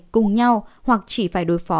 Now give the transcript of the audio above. cùng nhau hoặc chỉ phải đối phó